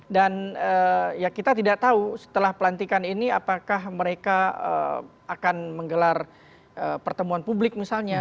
dan ya kita tidak tahu setelah pelantikan ini apakah mereka akan menggelar pertemuan publik misalnya